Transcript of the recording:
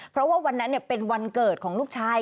เพราะว่าวันนั้นเป็นวันเกิดของลูกชาย